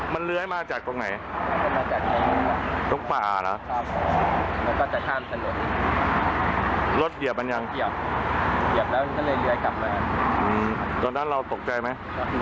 หน้าร้านเอาเลยเหรอเรียกที่ร้านเอาเลขอะไร